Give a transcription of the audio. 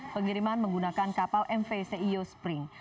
pengiriman menggunakan kapal mv ceo spring